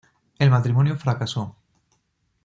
El matrimonio fracasó.